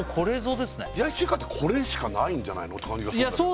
冷やし中華ってこれしかないんじゃないのって感じがするんだけどいや